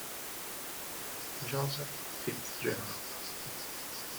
Joseph Fitzgerald